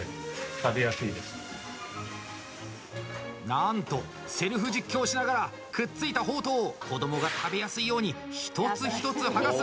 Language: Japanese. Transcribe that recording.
なんと、セルフ実況しながらくっついたほうとうを子どもが食べやすいように一つ一つ剥がす！